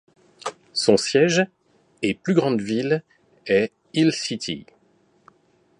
Son siège, et plus grande ville, est Hill City.